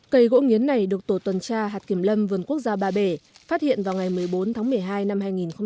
cây gỗ nghiến này được tổ tuần tra hạt kiểm lâm vườn quốc gia ba bể phát hiện vào ngày một mươi bốn tháng một mươi hai năm hai nghìn một mươi chín